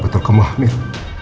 apa betul kamu hamil